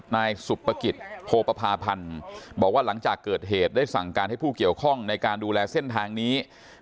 นายสุปกิจโพปภาพันธ์บอกว่าหลังจากเกิดเหตุได้สั่งการให้ผู้เกี่ยวข้องในการดูแลเส้นทางนี้